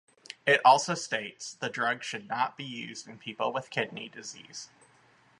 It also states the drug should not be used in people with kidney disease.